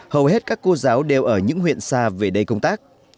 hầu hết các cô giáo đều ở những huyện xa về đây công tác